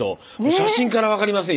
写真から分かりますね